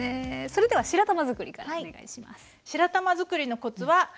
それでは白玉づくりからお願いします。